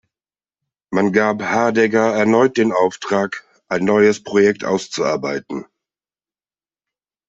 Man gab Hardegger erneut den Auftrag, ein neues Projekt auszuarbeiten.